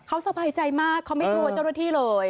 เขาสบายใจมากเขาไม่กลัวเจ้าหน้าที่เลย